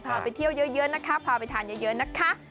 ไปเที่ยวเยอะนะคะพาไปทานเยอะนะคะ